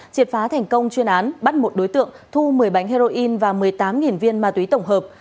triệt phá thành công chuyên án bắt một đối tượng thu một mươi bánh heroin và một mươi tám viên ma túy tổng hợp